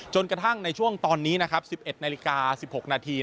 กระทั่งในช่วงตอนนี้นะครับ๑๑นาฬิกา๑๖นาที